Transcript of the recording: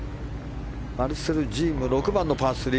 マルセル・ジーム６番のパー３。